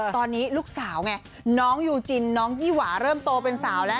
ตอนนี้ลูกสาวไงน้องยูจินน้องยี่หวาเริ่มโตเป็นสาวแล้ว